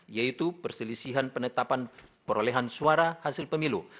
yaitu perselisihan penetapan perolehan suara hasil pemilu